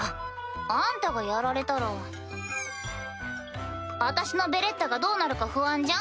あんたが殺られたら私のベレッタがどうなるか不安じゃん？